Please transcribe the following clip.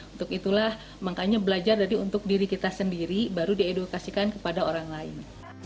untuk itulah makanya belajar dari untuk diri kita sendiri baru diedukasikan kepada orang lain